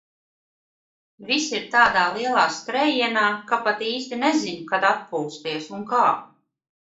Viss ir tādā lielā skrējienā, ka pat īsti nezinu, kad atpūsties un kā.